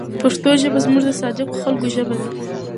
پښتو ژبه زموږ د صادقو خلکو ژبه ده.